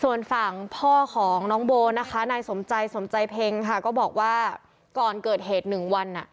ส่วนฝั่งพ่อของน้องโบนะคะนายสมใจสมใจเพ็งค่ะก็บอกว่าก่อนเกิดเหตุ๑วัน